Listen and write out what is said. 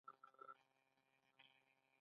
د انارو دانې د یاقوتو په څیر سرې دي.